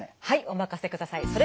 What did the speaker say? はいお任せください。